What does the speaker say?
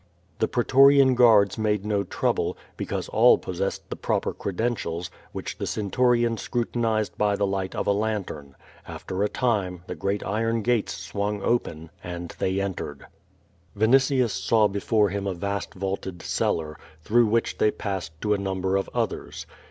The pretorian guards made no trouble, because all pos sessed the proper credentials, which the centurion scrutinized by the light of a lantern. After a time, the great iron gates swung open^ and they entered. QUO VADI8. 445 Vinitius saw before him a vast vaulted cellar, through which they passed to a number of others.